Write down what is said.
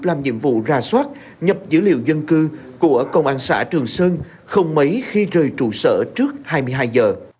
làm nhiệm vụ ra soát nhập dữ liệu dân cư của công an xã trường sơn không mấy khi rời trụ sở trước hai mươi hai giờ